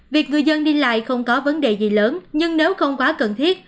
việc người dân đi lại không có vấn đề gì lớn nhưng nếu không quá cần thiết